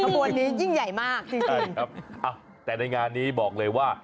ขบวนนี้ยิ่งใหญ่มากจริงใช่ครับแต่ในงานนี้บอกเลยว่า